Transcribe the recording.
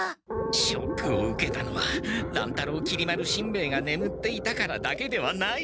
ショックを受けたのは乱太郎きり丸しんべヱがねむっていたからだけではない。